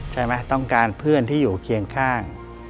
ต้องการเพื่อนที่อยู่เคียงข้าง